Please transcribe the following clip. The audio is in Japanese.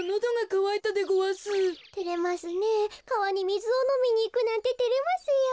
かわにみずをのみにいくなんててれますよ。